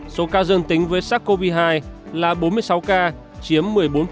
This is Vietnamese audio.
số ca dương tính với sars cov hai là bốn mươi sáu ca chiếm một mươi bốn